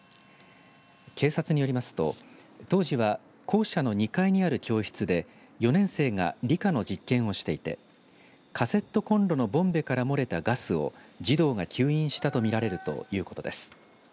警察によりますと当時は校舎の２階にある教室で４年生が理科の実験をしていてカセットコンロのボンベから漏れたガスを児童が吸引したとみられるということです。